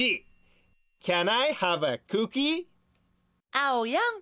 あおやん